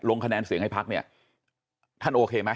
คะแนนเสียงให้พักเนี่ยท่านโอเคไหม